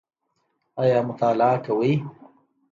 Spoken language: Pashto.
ایا مطالعه کوئ؟